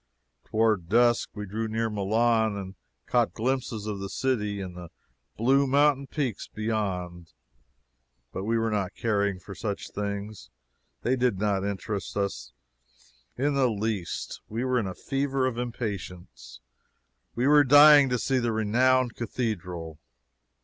Toward dusk we drew near Milan and caught glimpses of the city and the blue mountain peaks beyond. But we were not caring for these things they did not interest us in the least. We were in a fever of impatience; we were dying to see the renowned cathedral!